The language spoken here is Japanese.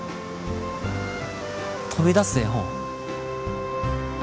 飛び出す絵本？